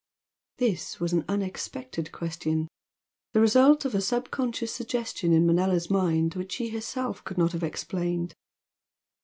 This was an unexpected question, the result of a subconscious suggestion in Manella's mind which she herself could not have explained.